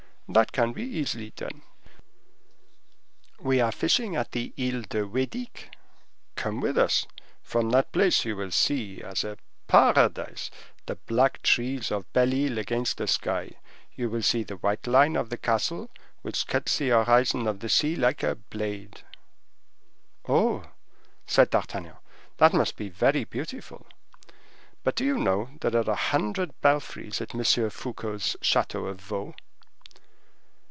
"That can be easily done; we are fishing at the Isle de Hoedic—come with us. From that place you will see, as a Paradise, the black trees of Belle Isle against the sky; you will see the white line of the castle, which cuts the horizon of the sea like a blade." "Oh," said D'Artagnan, "that must be very beautiful. But do you know there are a hundred belfries at M. Fouquet's chateau of Vaux?"